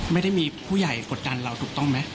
ไม่ได้มีผู้ใหญ่กดดันเราถูกต้องไหม